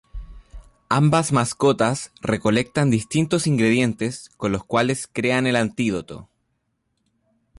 Ambas mascotas recolectan distintos ingredientes con los cuales crean el antídoto.